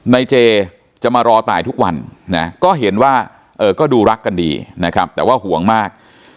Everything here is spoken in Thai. ในเจจะมารอตายทุกวันนะก็เห็นว่าก็ดูรักกันดีนะครับแต่ว่าห่วงมาก